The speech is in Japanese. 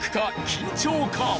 緊張か？